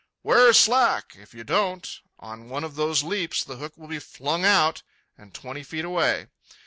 'Ware slack! If you don't, on one of those leaps the hook will be flung out and twenty feet away.